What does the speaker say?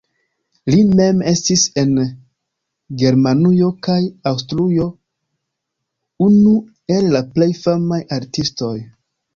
Li mem estis en Germanujo kaj Aŭstrujo unu el la plej famaj artistoj.